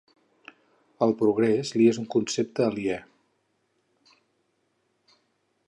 El progrés li és un concepte aliè.